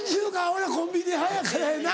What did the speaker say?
俺はコンビニ派やからやな。